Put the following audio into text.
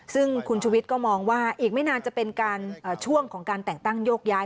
ซึ่งคุณชุวิตก็มองว่าอีกไม่นานจะเป็นการช่วงของการแต่งตั้งโยกย้าย